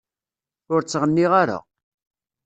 Ur ttɣenniɣ ara.